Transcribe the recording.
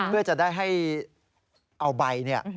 เพื่อจะได้ให้เอาใบเนี่ย